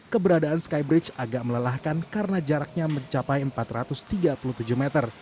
keberadaan skybridge agak melelahkan karena jaraknya mencapai empat ratus tiga puluh tujuh meter